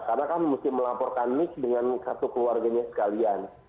karena kamu mesti melaporkan nis dengan kartu keluarganya sekalian